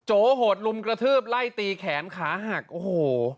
โหดลุมกระทืบไล่ตีแขนขาหักโอ้โห